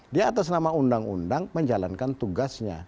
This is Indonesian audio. dia atas nama undang undang menjalankan tugasnya